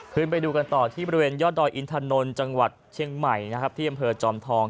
ไปดูกันต่อที่บริเวณยอดดอยอินถนนจังหวัดเชียงใหม่นะครับที่อำเภอจอมทอง